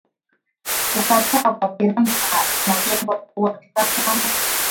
kukataa kuwa piranha inajengwa kuua vifaa kama